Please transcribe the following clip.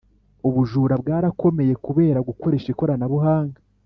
Ubujura bwarakomeye kubera gukoresha ikoranabuhanga